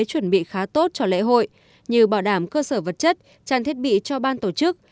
chuẩn bị khá tốt cho lễ hội như bảo đảm cơ sở vật chất trang thiết bị cho ban tổ chức